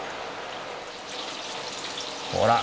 ほら。